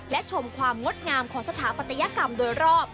และชมความงดงามของสถาปัตยกรรมโดยรอบ